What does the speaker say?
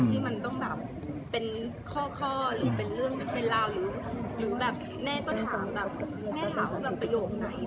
ที่มันต้องแบบเป็นข้อหรือเป็นเรื่องเป็นราวหรือแบบแม่ก็ถามแบบแม่ถามว่าแบบประโยคไหน